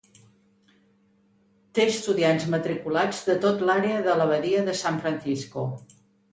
Té estudiants matriculats de tot l'àrea de la Badia de San Francisco.